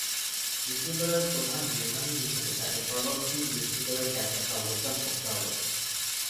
বিশ্ববিদ্যালয়ের প্রধান নির্বাহী হিসেবে তাঁকে সার্বক্ষণিক বিশ্ববিদ্যালয়ের ক্যাম্পাসে অবস্থান করতে হবে।